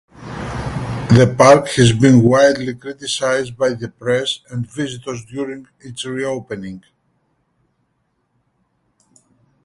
The park has been widely criticized by the press and visitors during its reopening.